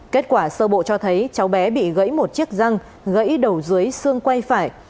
kết quả sơ bộ cho thấy cháu bé bị gãy một chiếc răng gãy đầu dưới xương quay phải